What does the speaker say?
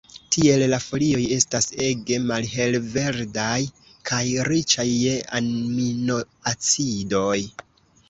Tiel la folioj estas ege malhelverdaj kaj riĉaj je aminoacidoj.